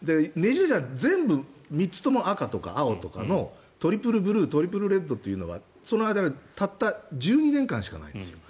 全部３つとも赤とか青のトリプルブルートリプルレッドというのはその間たった１２年間しかないんです。